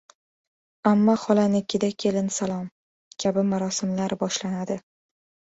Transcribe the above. «Amma-xolanikida kelinsalom»... kabi marosimlar boshlanadi.